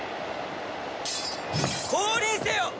降臨せよ！